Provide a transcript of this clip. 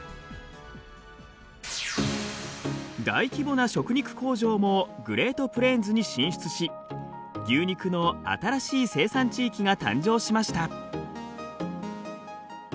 大規模な食肉工場もグレートプレーンズに進出し牛肉の新しい生産地域が誕生しました。